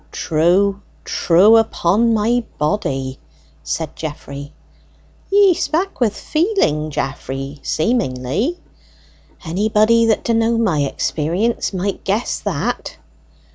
"True, true, upon my body," said Geoffrey. "Ye spak with feeling, Geoffrey, seemingly." "Anybody that d'know my experience might guess that."